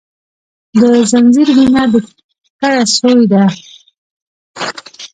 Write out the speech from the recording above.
د خنځیر وینه در کډه سوې ده